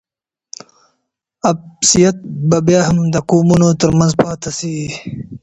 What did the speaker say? عصبیت به بیا هم د قومونو ترمنځ پاته سي.